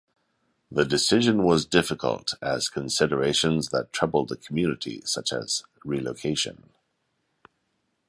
The decision was difficult as considerations that troubled the community such as relocation.